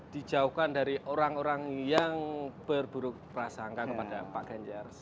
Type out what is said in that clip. dijauhkan dari orang orang yang berburuk prasangka kepada pak ganjar